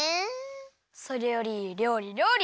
それよりりょうりりょうり！